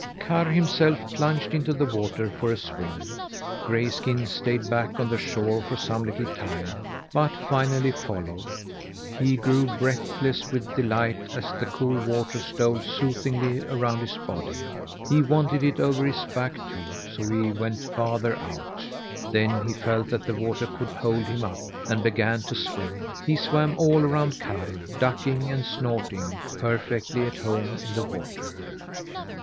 Karr, himself, plunged into the water for a swim. Grayskin stayed back on the shore for some little time, but finally followed. He grew breathless with delight as the cool water stole soothingly around his body. He wanted it over his back, too, so went farther out. Then he felt that the water could hold him up, and began to swim. He swam all around Karr, ducking and snorting, perfectly at home in the water.